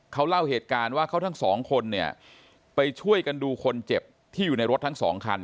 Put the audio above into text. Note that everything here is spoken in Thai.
เขาเล่าเหตุการณ์ว่าเขาทั้งสองคนเนี่ยไปช่วยกันดูคนเจ็บที่อยู่ในรถทั้งสองคัน